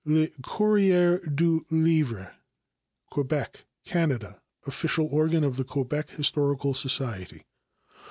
Le Courrier Du Livre, Quebec, Canada, official organ of the Quebec Historical Society.